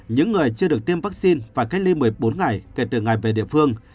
những người chưa được tiêm vaccine và cách ly một mươi bốn ngày kể từ ngày về địa phương